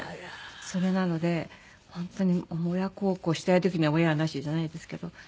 それなので本当に親孝行したい時には親はなしじゃないですけど。